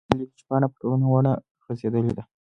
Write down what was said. لیکوال لیکلي چې پاڼه په ټوله ونه کې غځېدلې ده.